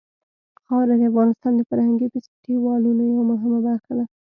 خاوره د افغانستان د فرهنګي فستیوالونو یوه مهمه برخه ده.